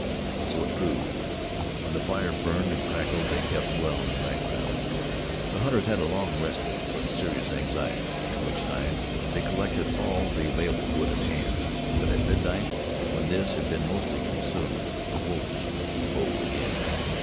So it proved. When the fire burned and crackled they kept well in the background. The hunters had a long respite from serious anxiety, during which time they collected all the available wood at hand. But at midnight, when this had been mostly consumed, the wolves grew bold again.